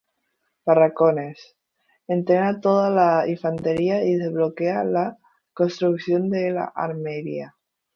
Barracones: entrena toda la infantería y desbloquea la construcción de la armería.